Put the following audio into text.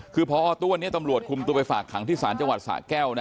คือพอตัวนี้ตำรวจคุมตัวไปฝากขังที่ศาลจังหวัดสะแก้วนะ